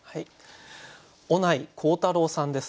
尾内甲太郎さんです。